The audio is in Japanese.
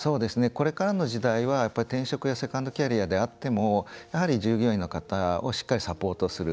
これからの時代は、転職やセカンドキャリアであってもやはり従業員の方をしっかりサポートする。